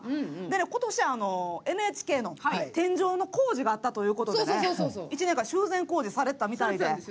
今年、ＮＨＫの天井の工事があったということで１年間修繕工事されてたみたいで。